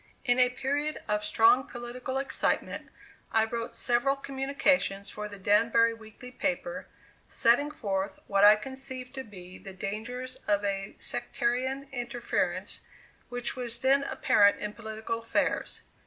In a period of strong political excitement, I wrote several communications for the Danbury weekly paper, setting forth what I conceived to be the dangers of a sectarian interference which was then apparent in political affairs.